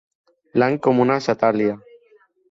Blanc com una satalia.